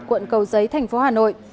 quận cầu giấy thành phố hà nội